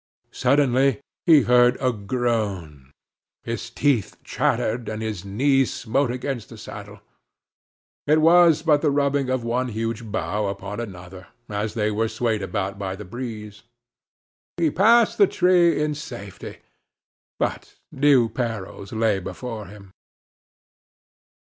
Suddenly he heard a groan his teeth chattered, and his knees smote against the saddle: it was but the rubbing of one huge bough upon another, as they were swayed about by the breeze. He passed the tree in safety, but new perils lay before him.